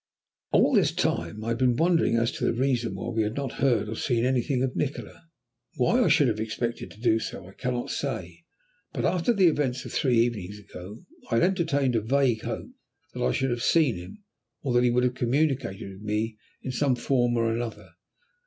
All this time I had been wondering as to the reason why we had not heard or seen anything of Nikola. Why I should have expected to do so I cannot say, but after the events of three evenings ago, I had entertained a vague hope that I should have seen him, or that he would have communicated with me in some form or another.